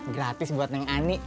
gratis buat neng ani